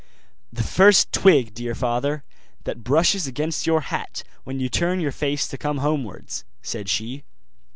'The first twig, dear father, that brushes against your hat when you turn your face to come homewards,' said she.